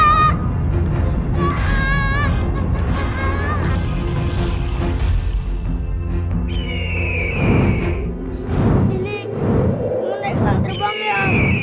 lili kamu naiklah terbang ya